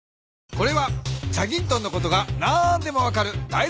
これは『チャギントン』のことが何でも分かるだい